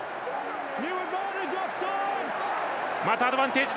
またアドバンテージ